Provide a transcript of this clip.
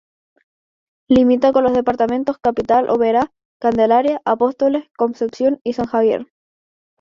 Limita con los departamentos Capital, Oberá, Candelaria, Apóstoles, Concepción y San Javier.